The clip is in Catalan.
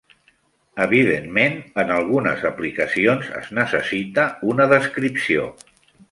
Evidentment, en algunes aplicacions es necessita una descripció.